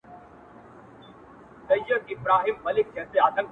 گلي نن بيا راته راياده سولې ـ